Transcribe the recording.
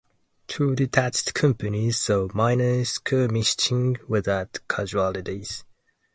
Two detached companies saw minor skirmishing without casualties.